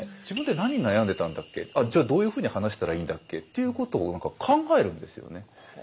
自分って何に悩んでたんだっけじゃあどういうふうに話したらいいんだっけっていうことを何か考えるんですよね。